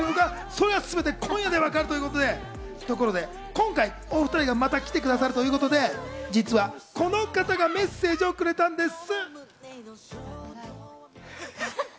それが全て今夜、分かるということで、ところで、今回お２人がまた来てくださるということで、実はこの方がメッセージをくれたんです。